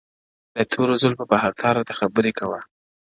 د تورو زلفو په هر تار راته خبري کوه،